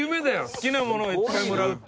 好きなものをいっぱいもらうって。